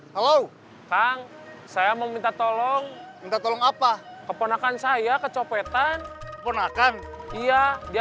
halo kang saya mau minta tolong minta tolong apa keponakan saya kecopetan ponakan iya dia